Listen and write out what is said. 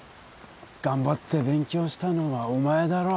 頑張って勉強したのはお前だろ。